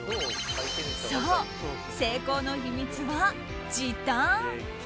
そう、成功の秘密は時短！